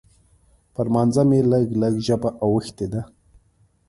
پر لمانځه مې لږ لږ ژبه اوښتې ده.